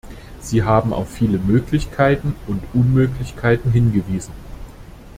Sie haben auf viele Möglichkeiten und Unmöglichkeiten hingewiesen.